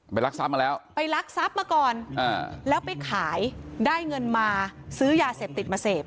รักทรัพย์มาแล้วไปรักทรัพย์มาก่อนอ่าแล้วไปขายได้เงินมาซื้อยาเสพติดมาเสพ